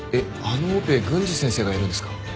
あのオペ郡司先生がやるんですか？